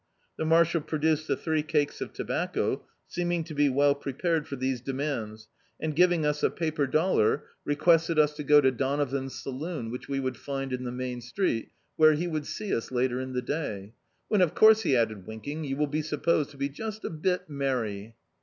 The marshal produced the diree cakes of tobacco, seeming to be well pre pared for these demands, and ^ving us a paper dol [671 D,i.,.db, Google The Autobiography of a Super Tramp lar, requested us to go to Donovan's salocm, whidi we would find In the main street, where he would see us later in the day; "when of course," he added, winking, "you will he supposed to he just a hit merry."